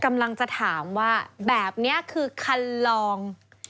กำลังจะถามว่าแบบนี้คือคันลอง